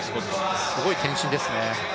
すごい転身ですね。